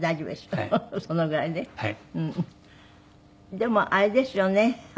でもあれですよね。